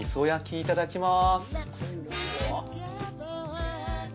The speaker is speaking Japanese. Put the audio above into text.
いただきます。